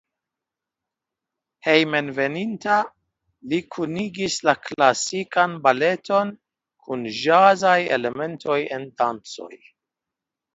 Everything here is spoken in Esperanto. Hejmenveninta li kunigis la klasikan baleton kun ĵazaj elementoj en dancoj.